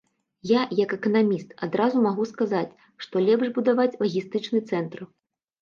Я, як эканаміст, адразу магу сказаць, што лепш будаваць лагістычны цэнтр.